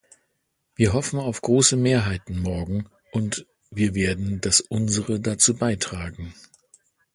Wir hoffen auf große Mehrheiten morgen, und wir werden das Unsere dazu beitragen.